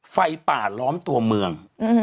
ไฟป่าล้อมตัวเมือง